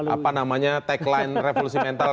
apa namanya tagline revolusi mental